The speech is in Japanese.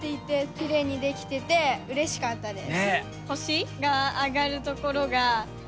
きれいにできててうれしかったです。